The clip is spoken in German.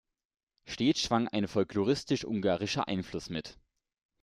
Stets schwang ein folkloristisch-ungarischer Einfluss mit.